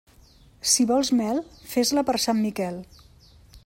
Si vols mel, fes-la per Sant Miquel.